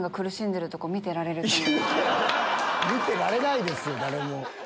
見てられないですよ誰も。